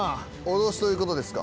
脅しということですか？